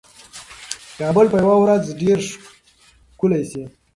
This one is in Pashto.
کابل به یوه ورځ ډېر ښکلی شي.